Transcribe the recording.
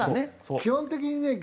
基本的にね